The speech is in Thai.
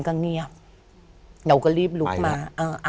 เราก็รีบลุกมา